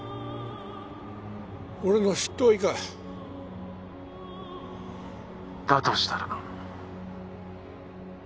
俺の執刀医かだとしたら？